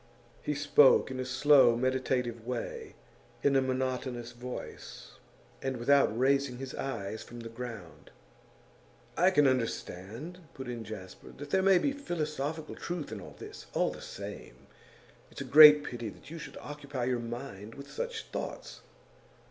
He spoke in a slow, meditative way, in a monotonous voice, and without raising his eyes from the ground. 'I can understand,' put in Jasper, 'that there may be philosophical truth in all this. All the same, it's a great pity that you should occupy your mind with such thoughts.